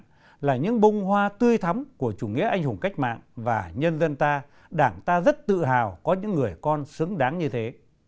đó chính là những tâm gương sáng về đạo đức cách mạng của chủ nghĩa anh hùng cách mạng và nhân dân ta đảng ta rất tự hào có những người con xứng đáng như thế